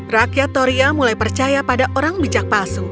rakyat toria mulai percaya pada orang bijak palsu